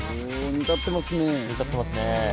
煮立ってますね。